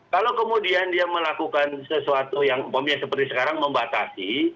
kalau kemudian dia melakukan sesuatu yang seperti sekarang membatasi